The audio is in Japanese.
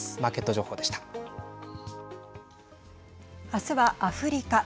明日は、アフリカ。